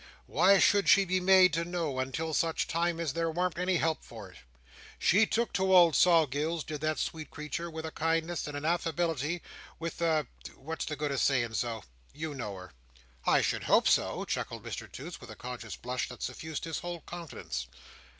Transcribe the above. why should she be made to know, until such time as there wam't any help for it? She took to old Sol Gills, did that sweet creetur, with a kindness, with a affability, with a—what's the good of saying so? you know her." "I should hope so," chuckled Mr Toots, with a conscious blush that suffused his whole countenance.